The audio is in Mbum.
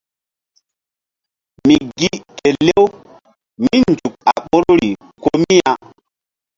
Mi gi kelew mí nzuk a ɓoruri ko mi ya.